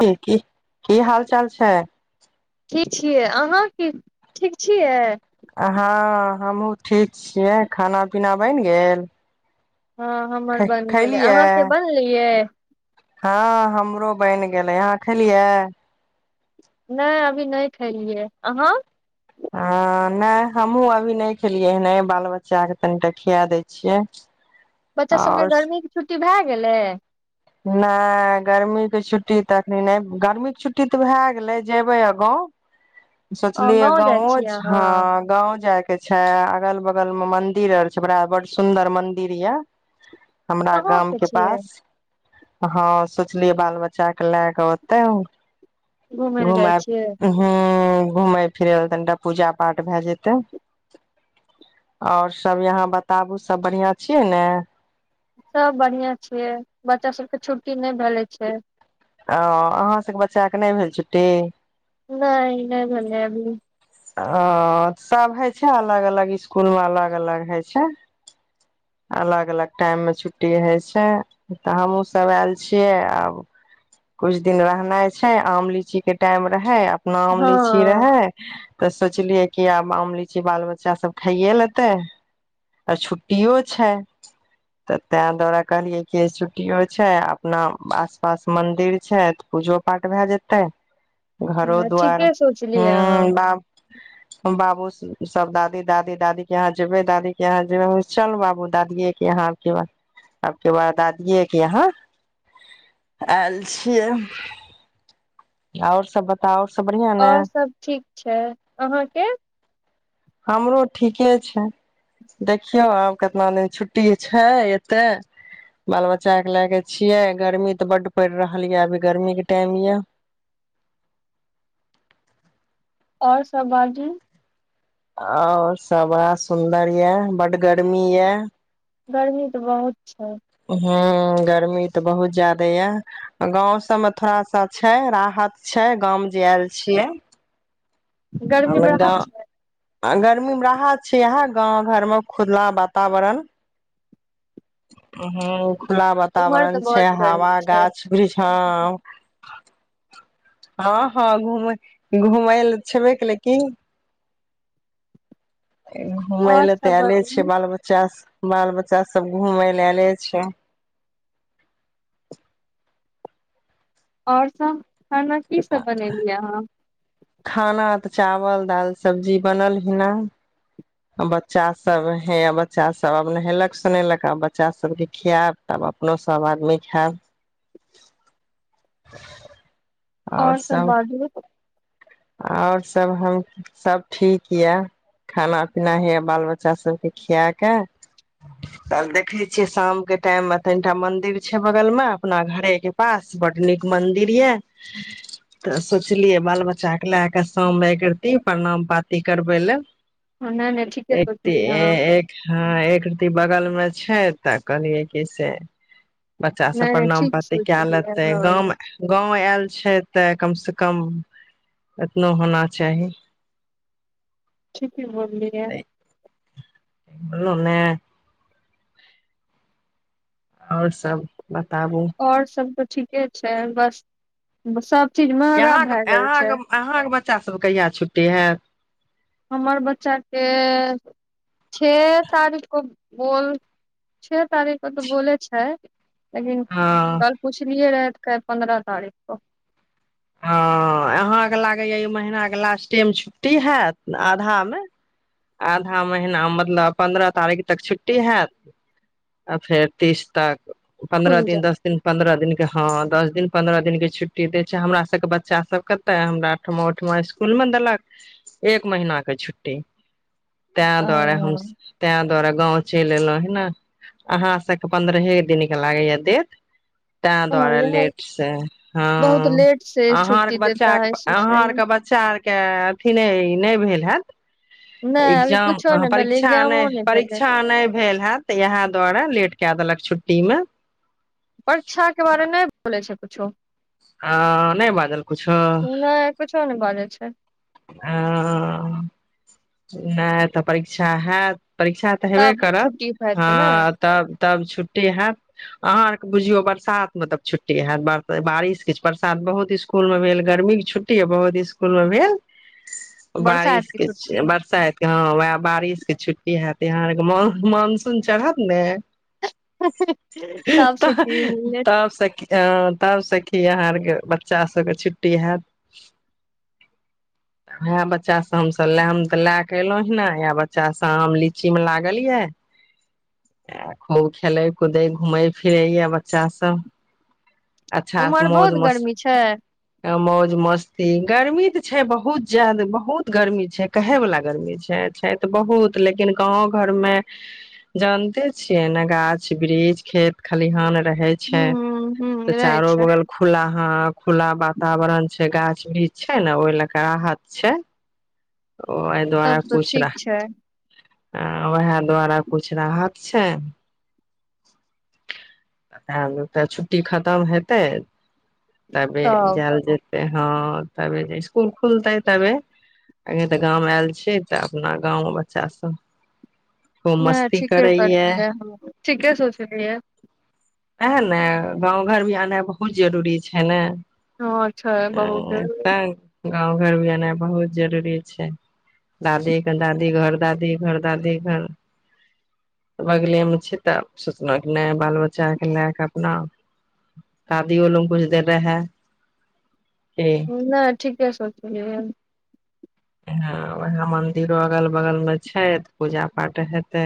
जी की की हाल चाल छै ठीक छियै अहाँ के ठीक छियै हँ हमहूँ ठीक छियै खाना पीना बनि गेल हँ हमर बन् गेलै खैलियै अहाँके बनलियै हँ हमरो बनि गेलै अहाँ खेलियै नहि अभी नहि खेलियै अहाँ हँ नहि हमहूँ अभी नहि खेलियै हन बाल बच्चाकेँ तनिटा खिया दै छियै बच्चा सबके आओर गर्मी छुटी भए गेलै नहि गर्मीके छुट्टी तऽ एखन नहि गर्मीके छुट्टी तऽ भए गेलै जेयबै आ गाँव आ सोचलियै गाँव जाइ गाँवो छियै हँ अहाँ गाँव जायके के छै अगल बगल मे मंदिर आर छै बड़ा बड़ सुदर मंदिर य हमरा कहाँ के गामके छियै पास हँ सोचलियै बाल बच्चाके लए कऽ ओते घूमय लए जाइ घुमा छियै हूँ ह घुमय फिरय ल तनिटा पूजा पाठ भए जेतै आओर सब यहाँ बताबु सब बढ़िियां छियै ने के छुट्टी नहि भेले छै ओ अहाँ सभके बच्चाके नहि भेल छुट्टी नहि नहि भेल यै अभी ओ सभ हइ छै अलग अलग इकुलमे अलग अलग हइ छै अलग अलग टाइम में छुट्टी होय छै तऽ हमहुँ सब आयल छियै आब कुछ दिन रहनाइ छै आम लीची के टाइम रहे आ नाम लीची हँ रहै तऽ सोचलियै किया आम लीची बाल बच्चा सब खाइे लेते आ छुट्टियो छै तऽ तैहि दुआरे कहलियै कि छुट्टियो छै अपना आस पास मन्दिर छै तऽ पूजो पाठ भए जेतै घरो द्वार ठीके ह सोचलियै अहाँ ब बाबू सब दादी दादी दादी के यहाँ जबे दादी के यहाँ जेबे चल बाब दादि के यहाँ बके बाद दादीे के यहाँ आयल छिय आओर सब बताउ सब बढ़ियां ने आओर सभ ठीक छै अहाँके हमरो ठीके छै देखियौ आब कितना दिन छुट्टी छै एतेक बाल बच्चाकेँ लए कऽ छियै गर्मी तऽ बड्ड पड़ि रहल यए अभी गर्मीके टाइम यए आओर सब बाजू आओर सब बड़ा सुन्दर यए बड गर्मी यए गर्मी तऽ बहुत छै ह्म गर्मी तऽ बहुत जादे यए गाँव सभमे थोड़ा सा छै राहत छै गाँवमे जे आयल छियै गर्मी मे राहत आ गर्मीमे राहत छै है गाँव घरमे खुला वातावरण हूँ खुला इम्हर तऽ वातावरण छै बहुत हवा गर्मी छै गाछ वृछ हँ हँ घ घुमय लए छेबे कलैेकिन घुमय और ल तऽ सब आऐले छै बाजू बाल बच्चा बाल बच्चा सब घुमय लए एयले छै आओर सब खाना की सब बनेलियै अहाँ खाना तऽ चावल दाल सब्जी बनल हना बच्चासभ हैए बच्चासभ आब नहेलक सुोनेलक आ बच्चा सभके खयब तब अपनो सभ आदमी खायब आओर सब बाजू और सब हम सब ठीक ये खाना पीना हे बाल बच्चा सबके खियाके तब देखे छियै शाम के टाइम मे तनिटा मंदिर छै बगल मे अपना घरे के पास बड नीक मंदिर ये तऽ सोचलियै बाल बच्चा के लए कऽ शाम एकती प्रणाम पाात करबे लए नहि नहि ठीके एक ती सोचलियै अहाँ एक ह एक ती बगालमे छै तऽ कहलियै क से बच्चा सब नहि नहि प्रणाम ठीक पाती कए सोचलियै लेते हँ गाँव गाँंव आयल छै तै कम से कम एतनो होना चाही पी बमलै लन आओर सब बताबू आओर सब त ठीक ठीके छै बस सब चीज महगा भए गेल छै बच्चाभ कहिया छुट्टी हइ हमर बच्चाके छओ तारीखकेँ बोल छओ तारीखकेँ तऽ बोलै छै लेकिन हँ कल पुछलियै रहै पन्द्रह तारीख को हँ अहाँकेँ लागैए ई महनाके लास्टेम छुट्टी हैत आधामे आधा महिीना मतलब पन्द्रह तारीख तक छुट्टी हैत आ फेर तीस तक पन्द्रह खुल दिन जाएत दस दिन पन्द्रह दिन के हँ दस दिन पन्द्रह दिन के छुट्टी द छै हमरा के बच्चा सब कते हमरा ओठमा ओहिठमा इसकुल मे देलक एक महीने छुट्टी तैं ओ दु्वारे हम तं तोरा गाँंव चलि एलहु हे ने अहाँ सबके पन्द्रहे दिनके लागैएा देत त ओ द्वारा यह लेट छै बहुत हँ लेट से अहा छुट्टी आरके बच्चा देता है अहा आर सोलह के बच्चा के अथी नहि नहि भेल हैत नहि अभी इग्जाम कुछो नहि भेलै परिमा एग्जामो नहि भेलै परीक्षा नहि भेल हैत तऽ इएह दुआारे लेट के देलक छुट्टीमे पर्षा के बारे नहि बोले छै कुछो ह नहि बाजल किछु तऽ आ नहि तऽ परीक्षा हयैत परीक्षा तऽ हेबे तब करत छुट्टी हेतै ने ह तब तब छुट्टी हैत अहाँ बुझियौ बरसातमे तब छुट्टी होत बारिश कि बरसात बहुत इसकुलमे भेल गर्मीके छुट्टी बहुत इसकुलमे भेल बरसात बारिश के छुट्टी बरसाइत के हँ वएह बारिश के छट् इ हैत यहाँ आरके मान मानसून चढ़त ने तब तह छुट्टी मिलले तब स तब सखी अहाँ आर बच्चा सबके छुट्टी हत इएह बच्चा सब हमस ले हम तऽ लए क एलहु हे ने आ बच्चा सब आम लीची मे लागल ये आ खूब खेले कूदे घूमेै फिरे यए बच्चा सब अच्छा से उम्हर मौज बहुत मस्त गर्मी छै मौज मस्ती गर्मी ते छै बहुत जदे बहुत गर्मी कहे वाला गर्मी छै छै तऽ बहुत लेकिन गाँंव घर मे जानते छियै ने गाछ वृक्ष खेत खलिहान रहे ह छै तऽ ह रहै चारो छै बगल खुला ह खुला वातावरण छै गाछ वृक्ष छै ने ओहि लए क राहत छै ओ एहि दुआरे तब तऽ किुछ ठीक रह छै आ उएह दुआारे कुछु राहत छै छुट्टी खतम हेतै तब जैल जैतै हँ तब जे इसकुल खलतै तब आखे तऽ गामव आयल छै तऽ अपना गाँवमे बच्चासभ नहि ठीके करलियै हम ठीके सोचली है एएह ने गाँव घर भी आनाइ बहुत जरूरी छै ने हँ छै बहुत गाँंव घर भी एनाइ बहुत जरूरी छै दादीे दादी घर दादी घर दादी घर बगले मे छै तऽ सोचल नहि बाल बच चा के लए क अपना शादी दादियो लंग कुछ देर रहै कि नइ ठीके सोचलिए ह उहे मन्दिरो अगल बगलमे छै तऽ पूजा पाठ हेतै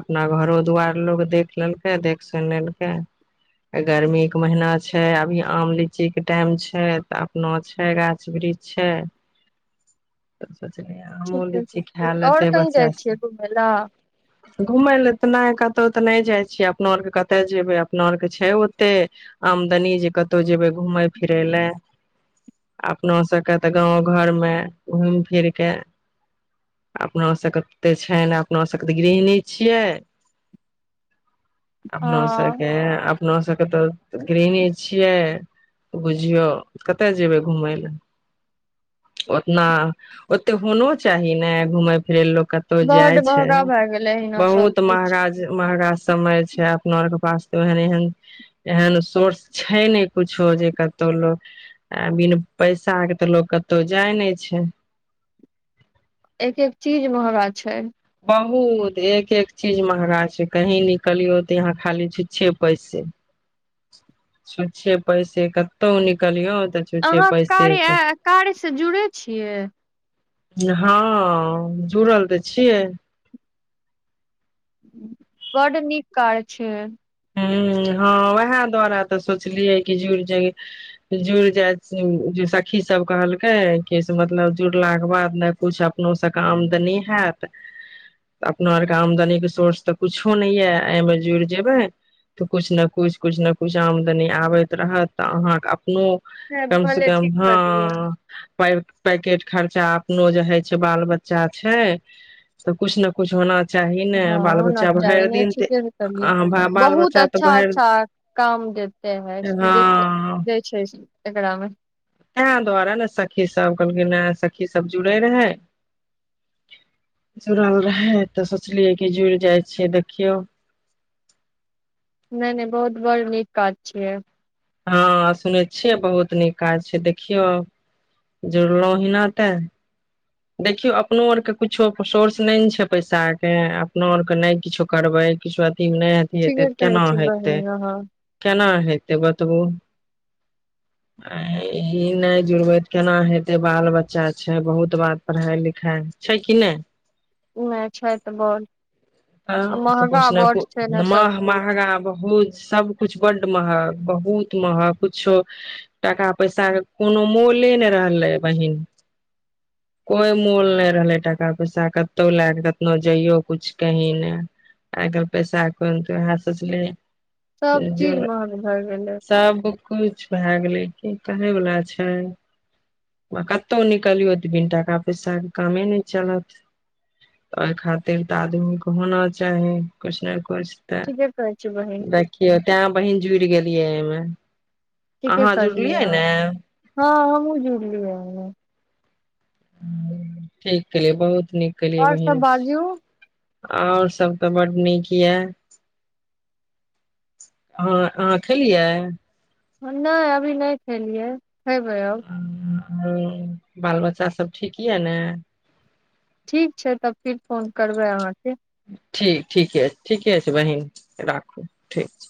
अपना घरो दुआरि लोक देख लेलकै देख सुनि लेलकै गरमीके महीना छै अभी आम लीचीके टाइम छै तऽ अपनो छै गाछ वृक्ष छै त ठीके छै सखि आओर कही जाइ छियै घुमय लऽ घुमय लऽ नाइ कतहु तऽ नइ जाइ छियै अपनो अरके कतए जेबै अपना आरके छै ओते आमदनी जे कतहु जेबै घुमय फिरय लए अपनो सबके तऽ गाँव घर मे घूमि फिर कऽ अपना सभके तऽ छै न अपना सभके तऽ गृहणि छियै अपनो हँ सबके अप अपना सबके तऽ गृहिणी छियै बुझियौ कतय जेबै घुमय लेय न ओते होनो चाही ने घुमे फिरय ल लोक कतहु बड जाय छै महगा भए गेलै एहिना सब बहुत किछ महगा महगा समय छै अपना आर के पास त ओहन एहन एहन सोर्स छै ने कुछो जे कतहु लोग आ बिन पैसा के तऽ लोग कतहु जाय नइ छै छैय एक एक चीज महगा छै बहुत एक एक चीज महगा छै कही निकलियौ तऽ यहाँ खाली छुच्छे पैसे छुच्छे पैसे कतौ निकलियौ तऽ छुच्छे अहाँ पैसे के। कार्या कार्य सँ जुड़ै छियै हँ जुड़ल तऽ छियै बड नीक कार्य छै हू हँ उएह दुआारे तऽ सोचलियै कि जुड़ि जाइ जुड़ि जाइ सखी सब कहलकै कि से मतलब जुड़लाके बाद ने किछु अपनो सबके आमदनी हयत अपना आरके आमदनीके सोर्स तऽ कुछो नहि यऽ एहिमे जुड़ि जेबै तऽ कछु न कछ कछु न कछ आमदनी आबैत रहत तऽ अहाँक अ अपनो नहि, कम सँ भले कम ठीक करलियै हँ पैकेट खर्चा अपनो जे हइ छै बाल बच्चा छै तऽ कुछ नऽ कुछ होना चाही न हँ बाल होना बच्चा चाही भरि नहि दिन त ठीके से करलियै अ बाल बहुत बच्चा तऽ अच्छा भरि अच्छा काम देते है देते हँ दइ छै एकरा मे तें दुआरे ने सखी सब कहलखिन सखी सब जुड़े रहै जुड़ल रहै तऽ सोचलियै कि जुड़ि जाइ छिय देखियौ नहि नहि बहुत बड़ नीक काज छियै हँ सुनै छियै बहुत नीक काज छै देखियौ जुड़लहु हीना तऽ देखियौ अपनो आरके किछो कऽ सोर्स नइ न छै पैसा अर के अपनो आरके नइ किछो करबै किछो अ नहि अथि हेते ठीके कहै केना छी हेते बहिन अहाँ केना हेतै बतबू आ ई नइ जुड़बै तऽ केना हेतै बाल बच्चा छै बहुत बात पढ़ाइ लिखाइ छै कि नहि नहि छै तऽ बड़ हँ त कुछ न कुछ सब मह कुछ महगा बहुत सबकुछु बड महग बहुत महग कुछो टाका पैसा के कोनो मोले नइ रहलै बहिन कोई मोल नइ रहलै टाका पैसा कतौ लए क कतनो जाइयो कुछ कही नइ आइ काइल पैसा ओहनते वेहे सचैलिये सभचीज महग भए गेलै कछ भए गेलै की कहे बला छै कतहु निकलियौ तऽ बिन टाका पैसा के कामे नहि चलत ओहि खातिर तऽ आदमी क होना चाही कुछ न कुछ किछ तऽ ठीके कहै छी बहिन देखियऔ तेय बहिन जुड़ गेलियै एहिमे ह ठीके करलियै हँ हमहुँ जुड़लियै ठीकिय बहुत केलियै आओर सब बहिन बाजू आओर सब तऽ बड नीक य अह खेलियै नहि अभी नहि खेलियै हेबौ ह बाल बच्चा सब ठीक यऽ ने ठीक छै तब फिर फोन करबै अहाँके ठीक ठीके ठीके छै बहिन राखू ठीक